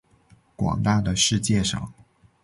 广大的世界上